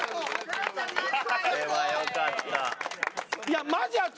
これはよかった。